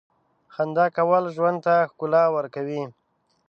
• خندا کول ژوند ته ښکلا ورکوي.